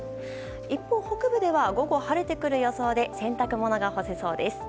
一方、北部では午後晴れてくる予想で洗濯物が干せそうです。